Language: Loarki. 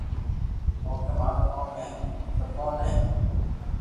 ڪونڪہ مارو ڪوم ھي سبو ني